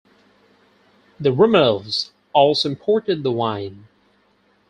The Romanovs also imported the wine.